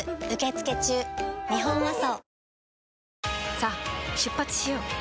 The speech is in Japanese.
さあ出発しよう。